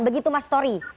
begitu mas tori